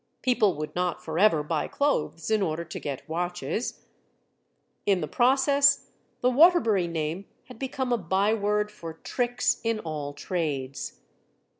People would not forever buy clothes in order to get watches. In the process, the Waterbury name had become a byword for tricks in all trades.